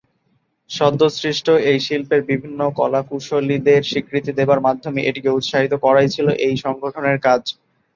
সদ্য সৃষ্ট এই শিল্পের বিভিন্ন কলাকুশলীদের স্বীকৃতি দেবার মাধ্যমে এটিকে উৎসাহিত করাই ছিলো এই সংগঠনের কাজ।